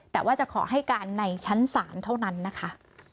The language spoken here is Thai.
แต่ว่าจะขอให้การในชั้นศาลเท่านั้นนะคะ